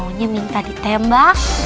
maunya minta ditembak